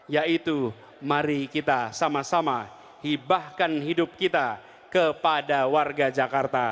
yaitu mari kita sama sama hibahkan hidup kita kepada warga jakarta